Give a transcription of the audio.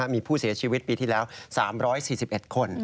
มีผู้เสียชีวิตปีที่แล้ว๓๔๑คน